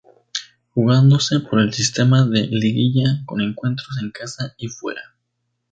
Jugándose por el sistema de liguilla, con encuentros en casa y fuera.